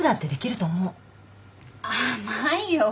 甘いよ。